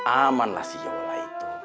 amanlah si iyola itu